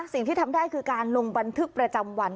สิ่งที่ทำได้คือการลงบันทึกประจำวัน